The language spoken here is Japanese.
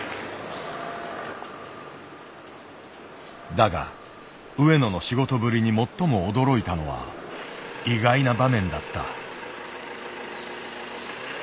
だが上野の仕事ぶりに最も驚いたのは意外な場面だった。